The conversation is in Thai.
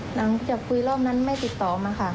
หลังจากคุยรอบนั้นไม่ติดต่อมาค่ะ